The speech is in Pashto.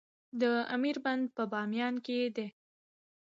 د امیر بند په بامیان کې دی